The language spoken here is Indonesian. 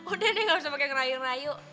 udah deh gak usah pakai ngerayu rayu